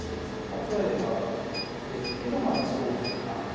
例えばですけど１五歩から。